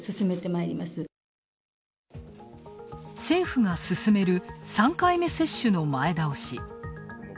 政府が進める３回目接種の前倒し。